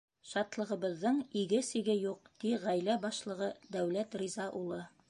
— Шатлығыбыҙҙың иге-сиге юҡ, — ти ғаилә башлығы Дәүләт Риза улы.